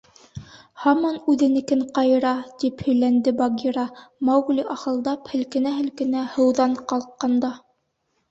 — Һаман үҙенекен ҡайыра, — тип һөйләнде Багира, Маугли ахылдап, һелкенә-һелкенә һыуҙан ҡалҡҡанда.